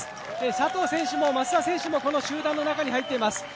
佐藤選手も松田選手もこの集団に入っています。